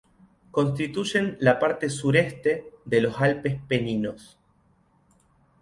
Constituyen la parte sureste de los Alpes Peninos.